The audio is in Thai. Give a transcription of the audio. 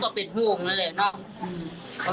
ก็เป็นห่วงนั่นแหละเนาะ